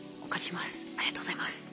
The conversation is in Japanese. ありがとうございます。